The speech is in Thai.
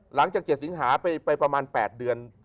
หลังจาก๗สิงหาไปประมาณ๘เดือน